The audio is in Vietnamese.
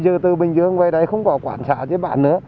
dù từ bình dương về đấy không có quản trả với bạn nữa